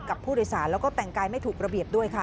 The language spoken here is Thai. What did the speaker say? กับผู้โดยสารแล้วก็แต่งกายไม่ถูกระเบียบด้วยค่ะ